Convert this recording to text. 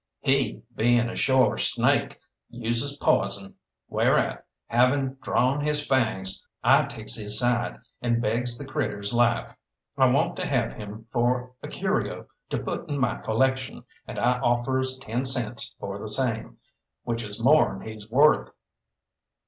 He, bein' a sure snake, uses poison, whereat, having drawn his fangs, I takes his side, and begs the critter's life. I want to have him for a curio to put in my collection, and I offers ten cents for the same which is more'n he's worth."